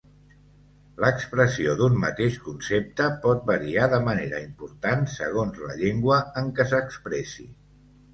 L'expressió d'un mateix concepte pot variar de manera important segons la llengua en què s'expressi.